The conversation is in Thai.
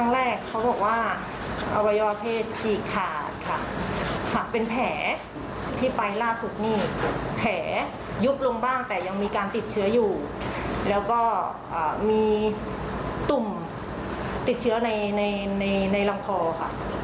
แล้วก็มีตุ่มติดเชื้อในลำคอค่ะ